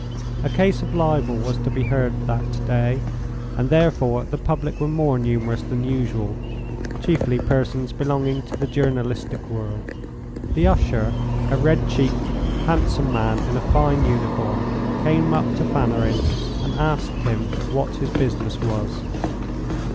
A case of libel was to be heard that day, and therefore the public were more numerous than usual chiefly persons belonging to the journalistic world. The usher, a red cheeked, handsome man in a fine uniform, came up to Fanarin and asked him what his business was.